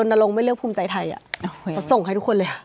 แล้วไม่เหลือปูมใจไทยอะเขาส่งให้ทุกคนเลย